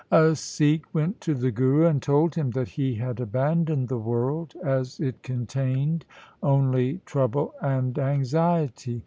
A Sikh went to the Guru and told him that he had abandoned the world, as it contained only trouble and anxiety.